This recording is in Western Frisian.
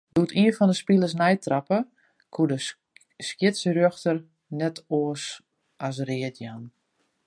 Doe't ien fan 'e spilers neitrape, koe de skiedsrjochter net oars as read jaan.